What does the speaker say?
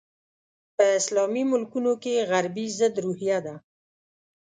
په اسلامي ملکونو کې غربي ضد روحیه ده.